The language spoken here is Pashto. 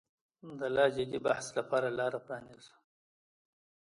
د لا جدي بحث لپاره لاره پرانیزو.